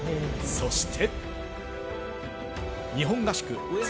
そして。